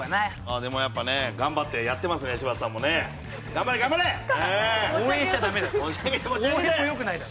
でもやっぱね頑張ってやってますね柴田さんもね。応援しちゃダメだろ。